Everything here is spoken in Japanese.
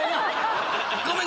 ごめんな！